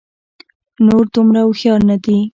نور دومره هوښيار نه دي